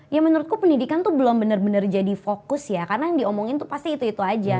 ya menurutku pendidikan tuh belum benar benar jadi fokus ya karena yang diomongin tuh pasti itu itu aja